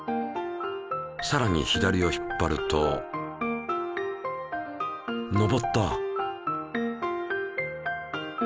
さらに左を引っ張ると上った！